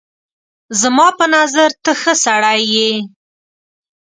زما په نظر ته ښه سړی یې